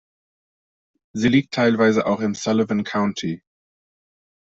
Sie liegt teilweise auch im Sullivan County.